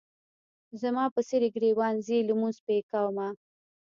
زما په څېرې ګریوان ځي لمونځ پې کومه.